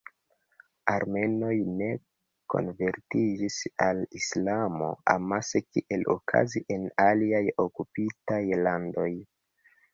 Armenoj ne konvertiĝis al Islamo amase kiel okazis en aliaj okupitaj landoj.